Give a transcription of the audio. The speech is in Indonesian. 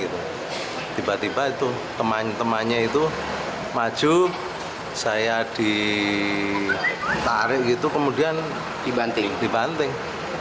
tiba tiba itu temannya itu maju saya ditarik gitu kemudian dibanting